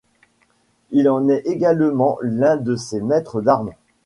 Il en est également l’un de ses maîtres d’armes.